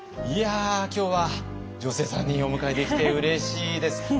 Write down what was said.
いや今日は女性３人お迎えできてうれしいです。